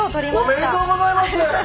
おめでとうございます！